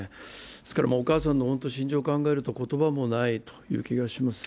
ですからお母さんの心情を考えると言葉もないという気がします。